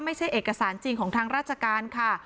ไม่ใช่เอกสารจริงของทางราชการค่ะ